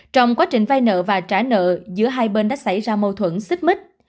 trong quá trình vay nợ và trả nợ giữa hai bên đã xảy ra mâu thuẫn xích mít